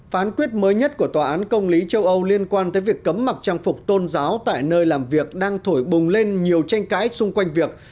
phán quyết mới nhất của tòa án công lý châu âu liên quan tới việc cấm mặc trang phục tôn giáo tại nơi làm việc đang thổi bùng lên nhiều tranh cãi xung quanh việc